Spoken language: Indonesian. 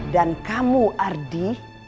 dan kamu ardi